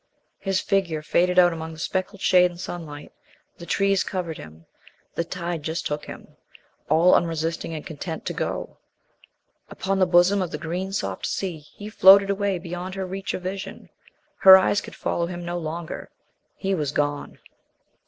His figure faded out among the speckled shade and sunlight. The trees covered him. The tide just took him, all unresisting and content to go. Upon the bosom of the green soft sea he floated away beyond her reach of vision. Her eyes could follow him no longer. He was gone.